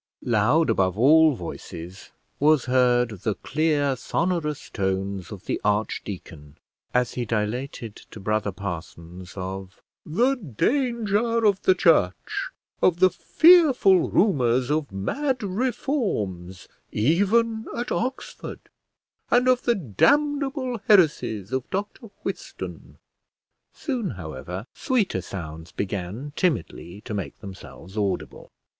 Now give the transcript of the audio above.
Loud above all voices was heard the clear sonorous tones of the archdeacon as he dilated to brother parsons of the danger of the church, of the fearful rumours of mad reforms even at Oxford, and of the damnable heresies of Dr Whiston. Soon, however, sweeter sounds began timidly to make themselves audible.